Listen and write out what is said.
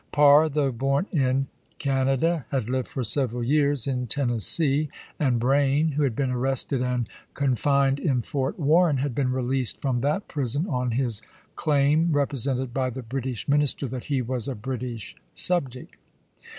Parr, though born in Canada, had lived for several years in Tennessee ; and Braine, who had been arrested and confined in Fort Warren, had been released from that prison on his claim, presented by the British Minister, that he was a British subject.